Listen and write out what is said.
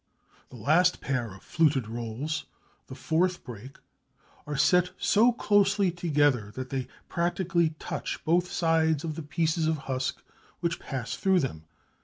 The last pair of fluted rolls, the fourth break, are set so closely together that they practically touch both sides of the pieces of husk which pass through them.